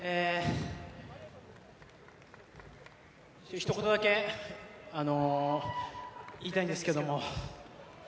ひと言だけ言いたいんですけども。